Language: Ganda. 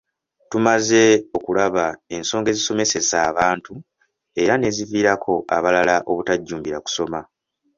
Tumaze okulaba ensonga ezisomesesa abantu era n'eziviirako abalala obutajjumbira kusoma.